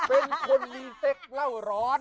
เป็นคนรีเซ็กเล่าร้อน